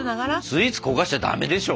スイーツ焦がしちゃダメでしょ。